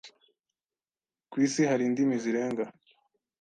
Ku isi hari indimi zirenga